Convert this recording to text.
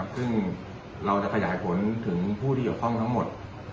ซึ่งเราจะขยายผลถึงผู้ที่เกี่ยวข้องทั้งหมด